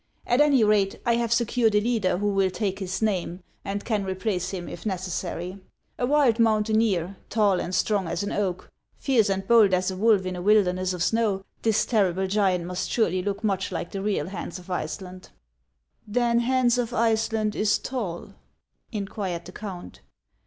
At any rate, I have secured a leader who will take his name, and can replace him if necessary, — a wild mountaineer, tall HANS OF ICELAND. 171 and strong as an oak, fierce and bold as a wolf in a wilder ness of snow, this terrible giant must surely look much like the real Hans of Iceland." " Then Hans of Iceland is tall ?" inquired the count.